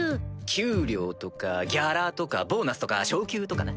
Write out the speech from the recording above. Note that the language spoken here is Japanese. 給料とかギャラとかボーナスとか昇給とかな。